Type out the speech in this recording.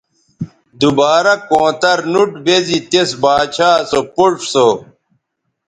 دوبارہ کونتر نوٹ بیزی تس باچھا سو پوڇ سو